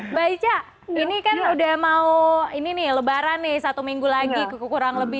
mbak ica ini kan udah mau ini nih lebaran nih satu minggu lagi kurang lebih